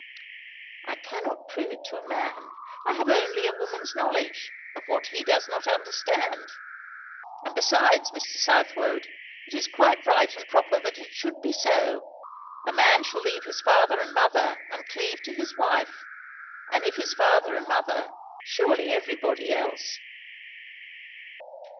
"I cannot prove it to a man. I have only a woman's knowledge, of what he does not understand. And besides, Mr. Southwode, it is quite right and proper that it should be so. A man shall leave his father and mother and cleave to his wife; and if his father and mother, surely everybody else."